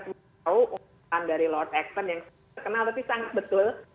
yang pertama kita tahu dari lord axton yang terkenal tapi sangat betul